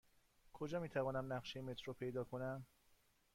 کجا می توانم نقشه مترو پیدا کنم؟